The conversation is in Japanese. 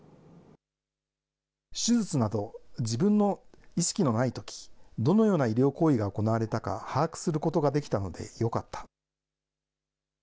手術など、自分の意識のないとき、どのような医療行為が行われたか把握することができたのでよかった。